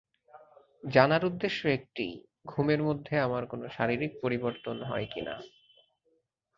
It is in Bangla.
জানার উদ্দেশ্য একটিই-ঘূমের মধ্যে আমার কোনো শারীরিক পরিবর্তন হয় কি না!